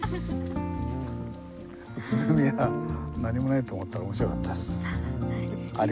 宇都宮何もないと思ったら面白かったです。